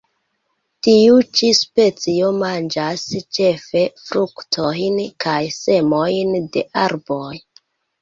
Tiu ĉi specio manĝas ĉefe fruktojn kaj semojn de arboj.